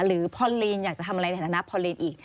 พอลีนอยากจะทำอะไรในฐานะพอลีนอีก